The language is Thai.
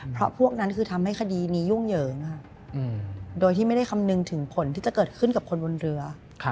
เพราะพวกนั้นคือทำให้คดีนี้ยุ่งเหยิงโดยที่ไม่ได้คำนึงถึงผลที่จะเกิดขึ้นกับคนบนเรือ